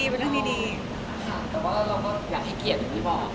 แต่ว่าเราก็อยากให้เกียรติอย่างนี้บอก